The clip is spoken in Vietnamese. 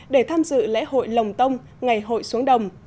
để tham dự lễ hội lồng tông ngày hội xuống đồng